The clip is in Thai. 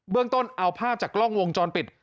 เรื่องต้นเอาภาพจากกล้องวงจรปิด